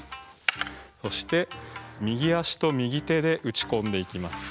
そして右足と右手で打ち込んでいきます。